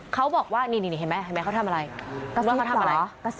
เขาบอกว่านี่นี่นี่เห็นไหมเห็นไหมเขาทำอะไร